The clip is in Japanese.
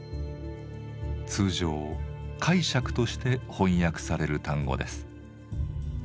通常「解釈」として翻訳される単語です。